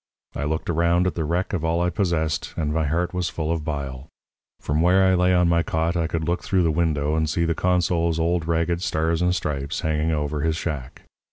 I looked around at the wreck of all I possessed, and my heart was full of bile. From where I lay on my cot I could look through the window and see the consul's old ragged Stars and Stripes hanging over his shack.